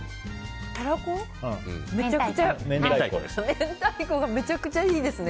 明太子がめちゃくちゃいいですね。